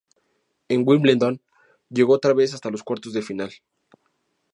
En Wimbledon llegó otra vez hasta los cuartos de final.